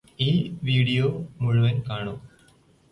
ഈ വീഡിയോ മുഴുവൻ കാണൂ.